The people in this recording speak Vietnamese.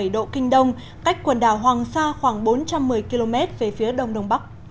một trăm một mươi năm bảy độ kinh đông cách quần đảo hoàng sa khoảng bốn trăm một mươi km về phía đông đông bắc